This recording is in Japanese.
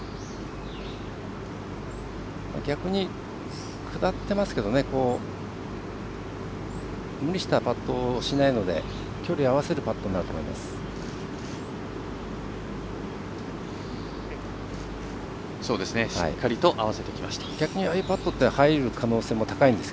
逆に下ってますけど無理したパットをしないので距離合わせるパットになると思います。